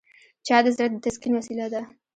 چای د زړه د تسکین وسیله ده